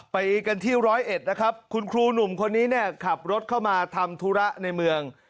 ไปกันที่ร้อยเอ็ดนะครับคุณครูหนุ่มคนนี้เนี่ยขับรถเข้ามาทำธุระในเมือง